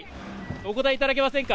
お答えいただけませんか？